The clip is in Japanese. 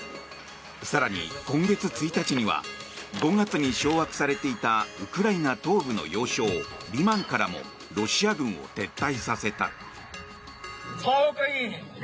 更に今月１日には５月に掌握されていたウクライナ東部の要衝リマンからもロシア軍を撤退させた。